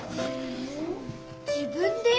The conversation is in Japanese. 自分で？